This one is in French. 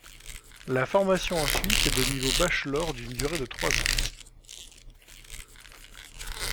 La formation en Suisse est de niveau Bachelor d'une durée de trois ans.